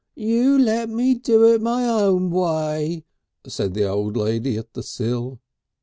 "You lemme do it my own way," said the old lady at the sill....